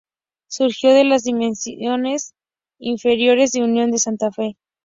Surgió de las divisiones inferiores de Unión de Santa Fe.